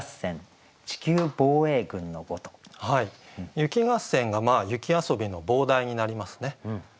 「雪合戦」が「雪遊」の傍題になりますね。